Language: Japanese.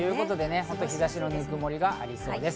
日差しのぬくもりがありそうです。